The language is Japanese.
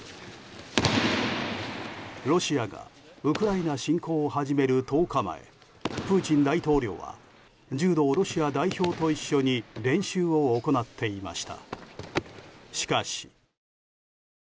ロシアがウクライナ侵攻を始める１０日前プーチン大統領は柔道ロシア代表と一緒に練習を行っていました。